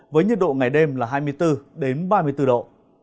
nên nhiệt độ ngày đêm là hai mươi bốn đến ba mươi bốn độ